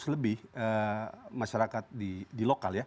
empat ratus lebih masyarakat di lokal ya